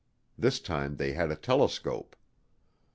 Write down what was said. This time they had a telescope.